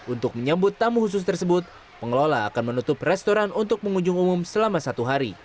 untuk menyambut tamu khusus tersebut pengelola akan menutup restoran untuk pengunjung umum selama satu hari